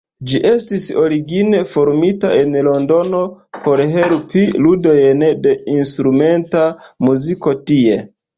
Ĝi estis origine formita en Londono por helpi ludojn de instrumenta muziko tie.